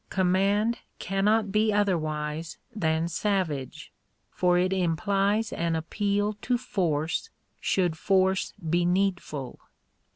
Command cannot be otherwise than savage, for it implies an appeal to force, should force be needful.